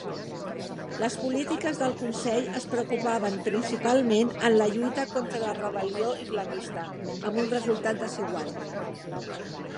Les polítiques del consell es preocupaven principalment en la lluita contra la rebel·lió islamista, amb un resultat desigual.